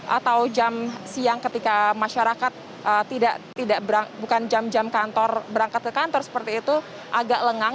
atau jam siang ketika masyarakat bukan jam jam kantor berangkat ke kantor seperti itu agak lengang